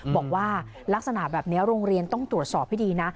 บอกว่าลักษณะแบบนี้โรงเรียนต้องตรวจสอบให้ดีนะ